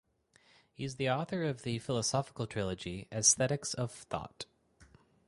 He is the author of the philosophical trilogy "Aesthetics of Thought".